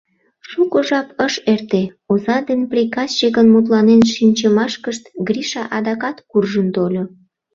Шуко жап ыш эрте, оза ден приказчикын мутланен шинчымашкышт Гриша адакат куржын тольо.